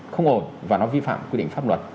không ngồi và nó vi phạm quy định pháp luật